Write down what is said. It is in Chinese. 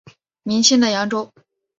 明清的扬州。